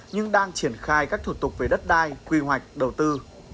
nhưng đang triển khai các thủ tục về đất đai quy hoạch đầu tư